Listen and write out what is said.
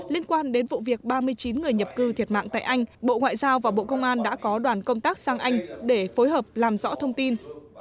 liên quan đến vụ việc ba mươi chín người nhập cư thiệt mạng tại anh bộ ngoại giao và bộ công an đã có đoàn công tác sang anh để phối hợp làm rõ thông tin